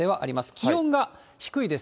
気温が低いです。